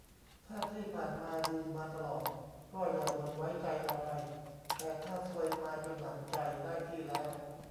ถ้าที่ผ่านมาดีมาตลอดก็อย่าด่วนไว้ใจอะไร แต่ถ้าซวยมาจนหนำใจได้ที่แล้ว